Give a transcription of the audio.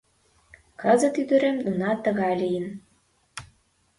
Кызыт ӱдырем уна тыгай лийын...